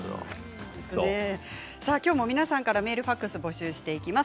きょうも皆さんからメール、ファックス募集していきます。